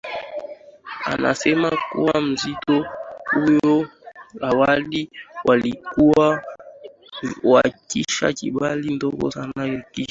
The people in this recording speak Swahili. anasema kuwa msitu huo awali walikuwa wakiishi kabila dogo sana la Kichi